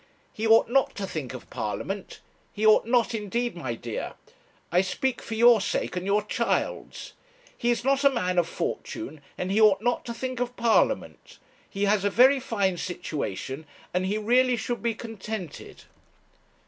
He ought not to think of Parliament. He ought not, indeed, my dear. I speak for your sake, and your child's. He is not a man of fortune, and he ought not to think of Parliament. He has a very fine situation, and he really should be contented.'